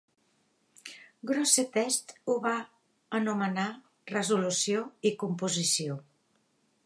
Grosseteste ho va anomenar "resolució i composició".